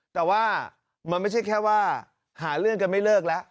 แต่ว่ามันไม่ใช่แค่ว่าหาเรื่องกันไม่เลิกแล้ว